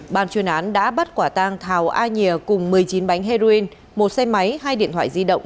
ban chuyên án đã bắt quả tang thảo a nhìa cùng một mươi chín bánh heroin một xe máy hai điện thoại di động